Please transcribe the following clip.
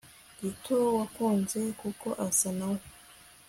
Gito wakunze kuko asa nawe